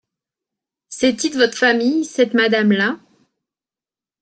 C’est-y de votre famile, cette madame-là ?